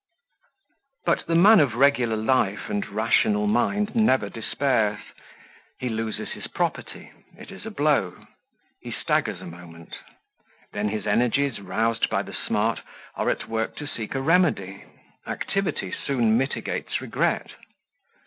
But the man of regular life and rational mind never despairs. He loses his property it is a blow he staggers a moment; then, his energies, roused by the smart, are at work to seek a remedy; activity soon mitigates regret.